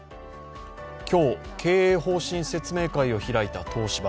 今日、経営方針説明会を開いた東芝。